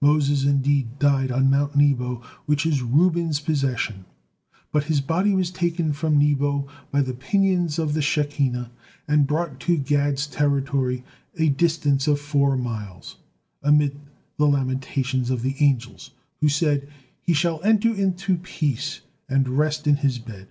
Moses indeed died on mount Nebo, which is Reuben's possession, but his body was taken from Nebo by the pinions of the Shekinah, and brought to Gad's territory, a distance of four miles, amid the lamentations of the angels, who said, "He shall enter into peace and rest in his bed."